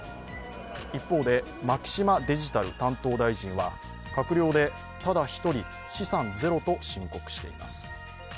一方で、牧島デジタル担当大臣は閣僚でただ１人、資産ゼロと申告しています。